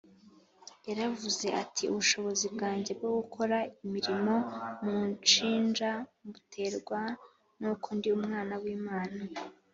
. Yaravuze ati, ubushobozi bwanjye bwo gukora imirimo munshinja mbuterwa n’uko ndi Umwana w’Imana